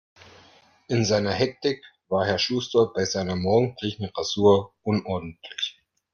In seiner Hektik war Herr Schuster bei seiner morgendlichen Rasur unordentlich.